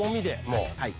もうはい。